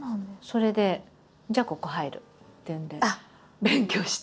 それでじゃあここ入るっていうんで勉強して。